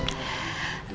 iya tante aku paham